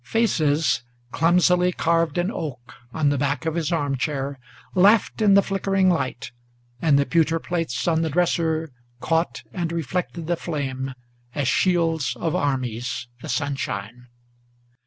Faces, clumsily carved in oak, on the back of his arm chair Laughed in the flickering light, and the pewter plates on the dresser Caught and reflected the flame, as shields of armies the sunshine.